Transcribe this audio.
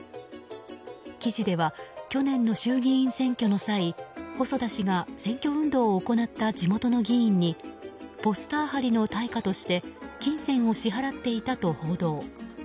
記事では去年の衆議院選挙の際細田氏が選挙運動を行った地元の議員にポスター貼りの対価として金銭を支払っていたと報道。